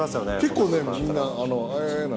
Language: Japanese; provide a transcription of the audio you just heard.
結構ねみんな。